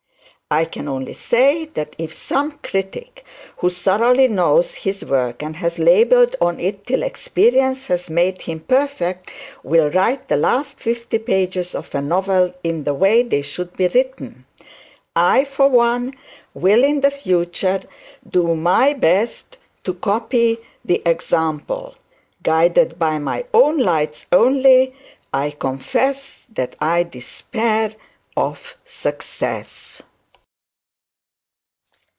I can only say that if some critic, who thoroughly knows his work, and has laboured on it till experience has made him perfect, will write the last fifty pages of a novel in the way they should be written. I, for one, will in future do my best to copy the example. Guided by my own lights only, I despair of success.